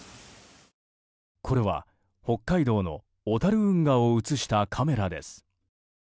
これは北海道の小樽運河を映したカメラです。